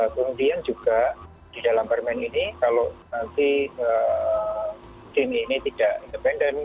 kemudian juga di dalam permen ini kalau nanti tim ini tidak independen